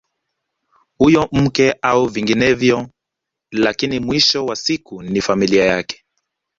Huyo mke au vinginevyo lakini mwisho wa siku ni familia yake